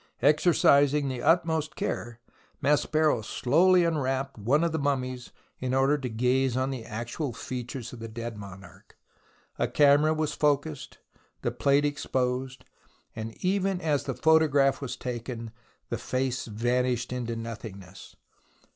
Exercising the utmost care, Maspero slowly un 100 THE ROMANCE OF EXCAVATION wrapped one of the mummies in order to gaze on the actual features of the dead monarch. A camera was focused, the plate exposed, and even as the photograph was taken the face vanished into nothingness.